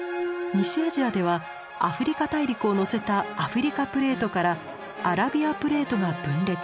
西アジアではアフリカ大陸をのせたアフリカプレートからアラビアプレートが分裂。